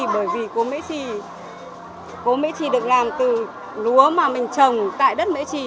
bởi vì cô mễ trì được làm từ lúa mà mình trồng tại đất mễ trì